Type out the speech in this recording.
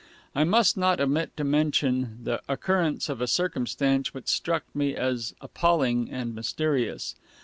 I must not omit to mention the occurrence of a circumstance which struck me as appalling and mysterious.